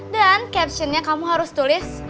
dan captionnya kamu harus tulis